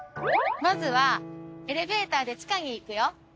まずはエレベーターで地下に行くよ。